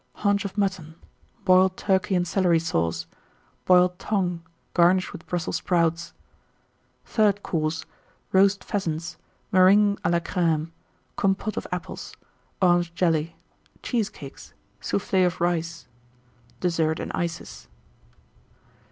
Haunch of Mutton. Boiled Turkey and Celery Sauce. Boiled Tongue, garnished with Brussels Sprouts. THIRD COURSE. Roast Pheasants. Meringues à la Crême. Compôte of Apples. Orange Jelly. Cheesecakes. Soufflé of Rice. DESSERT AND ICES.